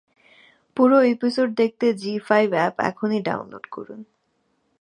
পুরো এপিসোড দেখতে Zee five app এখনই ডাউনলোড করুন।